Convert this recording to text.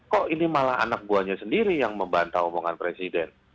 kok ini malah anak buahnya sendiri yang membantah omongan presiden